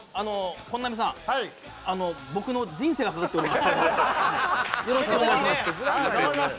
本並さん、僕の人生がかかっております。